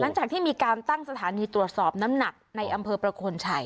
หลังจากที่มีการตั้งสถานีตรวจสอบน้ำหนักในอำเภอประโคนชัย